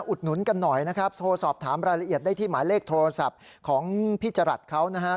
อุดหนุนกันหน่อยนะครับโทรสอบถามรายละเอียดได้ที่หมายเลขโทรศัพท์ของพี่จรัสเขานะครับ